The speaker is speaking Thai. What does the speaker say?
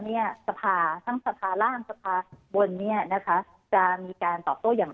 สภาทั้งสภาร่างสภาบนเนี่ยนะคะจะมีการตอบโต้อย่างไร